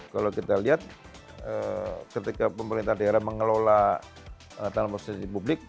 kalau kita lihat ketika pemerintah daerah mengelola tanggung jawab protesi publik